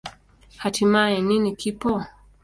Hatimaye, nini kipo?